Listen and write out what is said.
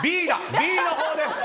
Ｂのほうです！